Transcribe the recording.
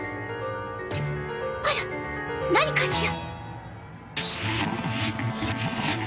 あら何かしら？